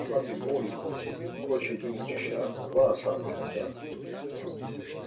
Hatzi mu ivas ǩoçi lumcişa var asabren daa…